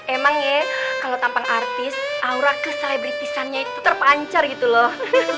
emang ya kalo tampang artis aura kecelebritisannya itu terpancar gitu loh